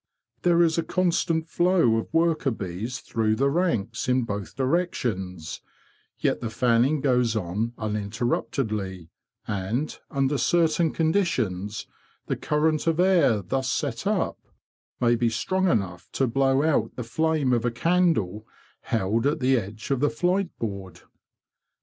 There is a con THE MIND IN THE HIVE 141 stant flow of worker bees through the ranks in both directions; yet the fanning goes on uninterruptedly, and, under certain conditions, the current of air thus set up may be strong enough to blow out the flame of a candle held at the edge of the flight board.